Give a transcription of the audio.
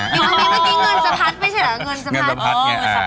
เมื่อกี้เงินสะพัดไม่ใช่เหรอ